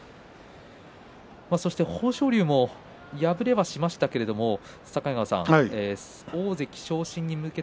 そして豊昇龍も敗れはしましたが境川さん、大関昇進に向けて